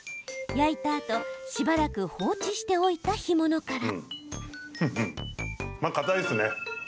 焼いたあとしばらく放置しておいた干物から。